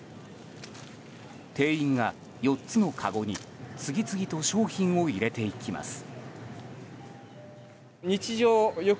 店員が４つのかごに次々と商品を入れていきます。